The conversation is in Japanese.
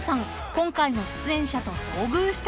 今回の出演者と遭遇したらしく］